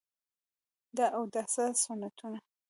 د اوداسه سنتونه: